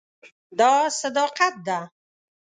دا صداقت ده.